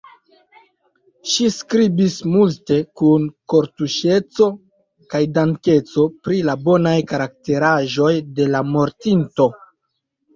Ŝi skribis multe, kun kortuŝeco kaj dankeco, pri la bonaj karakteraĵoj de la mortinto.